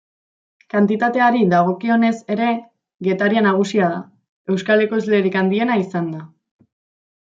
Kantitateari dagokionez ere Getaria nagusia da, euskal ekoizlerik handiena izanda.